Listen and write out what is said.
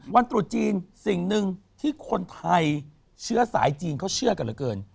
ตรุษจีนสิ่งหนึ่งที่คนไทยเชื้อสายจีนเขาเชื่อกันเหลือเกิน